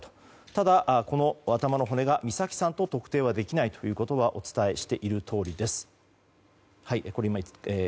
ただ、この頭の骨が美咲さんと特定できないということはお伝えしているとおりです。